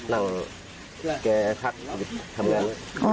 นั่งแกพักยุ่บทำงาน